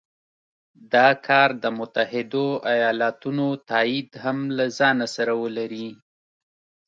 دا کار د متحدو ایالتونو تایید هم له ځانه سره ولري.